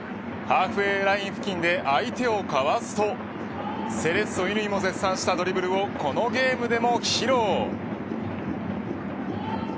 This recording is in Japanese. ハーフウェーライン付近で相手をかわすとセレッソ乾も絶賛したドリブルをこのゲームでも披露。